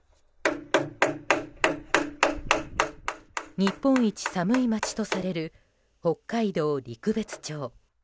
日本一寒い町とされる北海道陸別町。